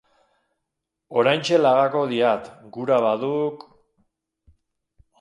Oraintxe lagako diat, gura baduk...